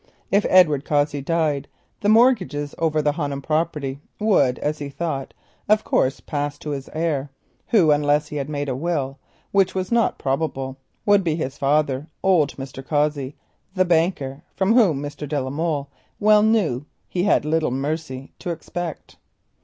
If Edward Cossey died the mortgages over the Honham property would, as he believed, pass to his heir, who, unless he had made a will, which was not probable, would be his father, old Mr. Cossey, the banker, from whom Mr. de la Molle well knew he had little mercy to expect.